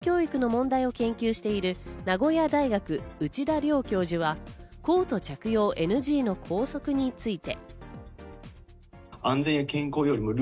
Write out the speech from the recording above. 学校教育の問題を研究している名古屋大学・内田良教授は、コート着用ＮＧの校則について。